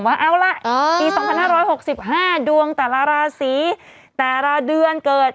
ว่าเอาล่ะปี๒๕๖๕ดวงแต่ละราศีแต่ละเดือนเกิด